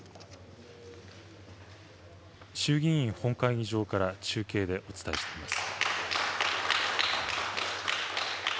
衆議院本会議場から中継でお伝えしています。